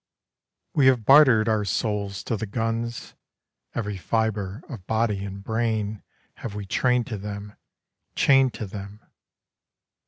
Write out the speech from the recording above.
We have bartered our souls to the guns; Every fibre of body and brain Have we trained to them, chained to them.